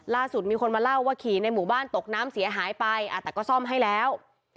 ล่าสุดมีคนมาเล่าว่าขี่ในหมู่บ้านตกน้ำเสียหายไปแต่ก็ซ่อมให้แล้ว